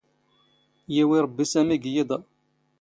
ⵢⵉⵡⵉ ⵕⴱⴱⵉ ⵙⴰⵎⵉ ⴳ ⵢⵉⴹ ⴰ.